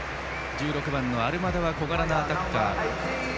１６番のアルマダは小柄なアタッカー。